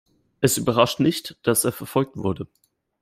Es überrascht nicht, dass er verfolgt wurde.